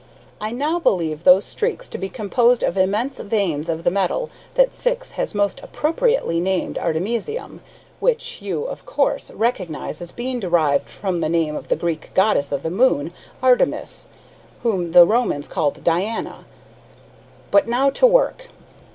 I now believe those streaks to be composed of immense veins of the metal that Syx has most appropriately named artemisium, which you, of course, recognize as being derived from the name of the Greek goddess of the moon, Artemis, whom the Romans called Diana. But now to work!"